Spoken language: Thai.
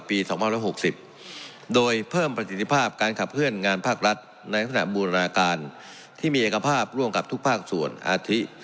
ที่มีอักษณะภาพร่วงกับทุกภาคส่วนอาธิ